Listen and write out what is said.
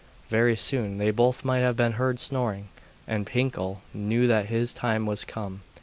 Very soon they both might have been heard snoring, and Pinkel knew that his time was come.